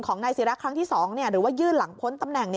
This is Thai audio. ของนายศิราครั้งที่๒หรือว่ายื่นหลังพ้นตำแหน่ง